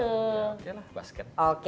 ya oke lah basket